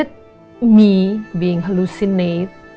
yang terlalu menghalusinasi